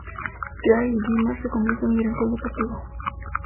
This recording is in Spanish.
Cyrille Guimard se convierte en el director deportivo.